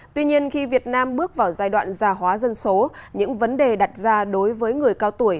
tuy nhiên khi việt nam bước vào giai đoạn già hóa dân số những vấn đề đặt ra đối với người cao tuổi